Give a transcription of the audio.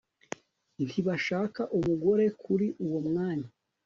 Ntibashaka umugore kuri uwo mwanya